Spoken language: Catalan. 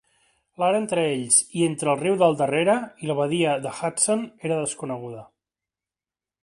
L'àrea entre ells i entre el riu del darrere i la badia de Hudson era desconeguda.